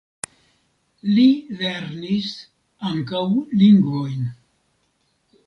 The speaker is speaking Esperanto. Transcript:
Li lernis ankaŭ lingvojn.